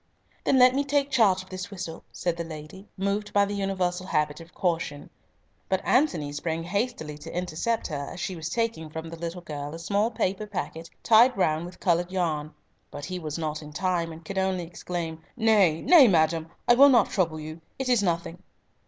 "Then let me take charge of this whistle," returned the lady, moved by the universal habit of caution, but Antony sprang hastily to intercept her as she was taking from the little girl a small paper packet tied round with coloured yarn, but he was not in time, and could only exclaim, "Nay, nay, madam, I will not trouble you. It is nothing."